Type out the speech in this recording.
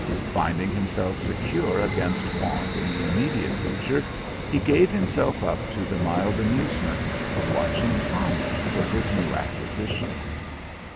Finding himself secure against want in the immediate future, he gave himself up to the mild amusement of watching Tommy with his new acquisition.